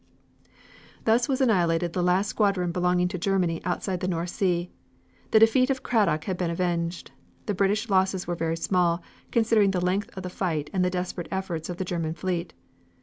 Thus was annihilated the last squadron belonging to Germany outside the North Sea. The defeat of Cradock had been avenged. The British losses were very small, considering the length of the fight and the desperate efforts of the German fleet.